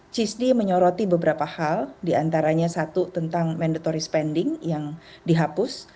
cisdi menyoroti beberapa hal diantaranya satu tentang mandatory spending yang dihapus